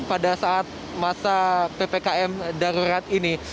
pada saat masa ppkm darurat ini